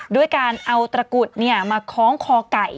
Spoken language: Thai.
ด้วยการเอาตระกุดมาคล้องคอไก่